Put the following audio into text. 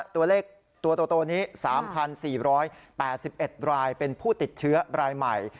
ตัวเลขตัวโตนี้๓๔๘๑รายเป็นผู้ติดเชื้อรายใหม่